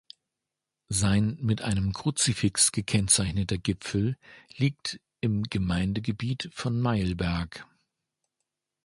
Sein mit einem Kruzifix gekennzeichneter Gipfel liegt im Gemeindegebiet von Mailberg.